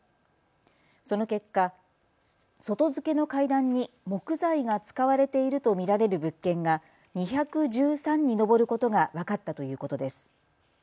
その結果、外付けの階段に木材が使われていると見られる物件が２１３に上ることが分かったということです。